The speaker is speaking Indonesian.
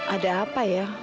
ada apa ya